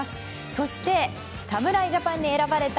そして、侍ジャパンに選ばれた